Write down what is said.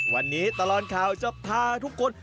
วันนี้ตลอดข่าวจะพาทุกคน